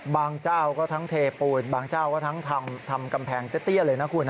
เจ้าก็ทั้งเทปูนบางเจ้าก็ทั้งทำกำแพงเตี้ยเลยนะคุณ